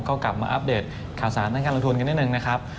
ก็กลับมาอัปเดตข่าวสารด้านการลงทุนกันนิดนึงนะครับ